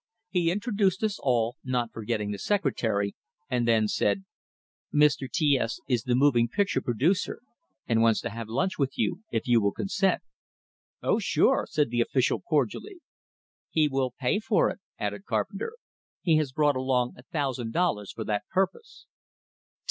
He introduced us all, not forgetting the secretary, and then said: "Mr. T S is the moving picture producer, and wants to have lunch with you, if you will consent." "Oh, sure!" said the official, cordially. "He will pay for it," added Carpenter. "He has brought along a thousand dollars for that purpose."